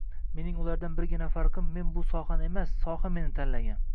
Mening ulardan birgina farqim, men bu sohani emas, soha meni tanlagan.